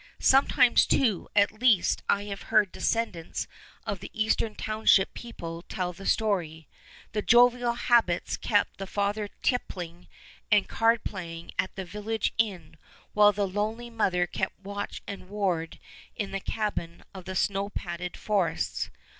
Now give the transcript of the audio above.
Sometimes, too, at least I have heard descendants of the eastern township people tell the story, the jovial habits kept the father tippling and card playing at the village inn while the lonely mother kept watch and ward in the cabin of the snow padded forests.